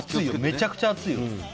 めちゃくちゃ熱いよ